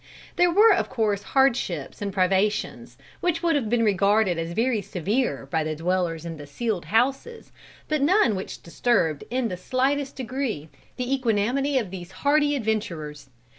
There were of course hardships and privations, which would have been regarded as very severe by the dwellers in the sealed houses, but none which disturbed in the slightest degree the equanimity of these hardy adventurers.